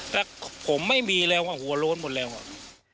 แต่ผมไม่มีเลยหัวโล้นหมดเลย